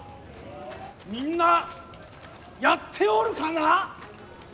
みんな、やっておるかな。